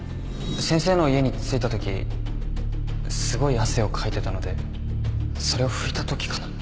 先生の家に着いたときすごい汗をかいてたのでそれを拭いたときかな